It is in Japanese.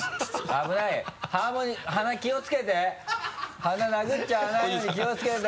危ないハーモニカ鼻気をつけて鼻殴っちゃわないように気をつけて。